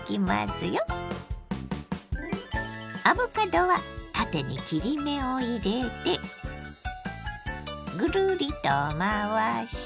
アボカドは縦に切り目を入れてぐるりと回して。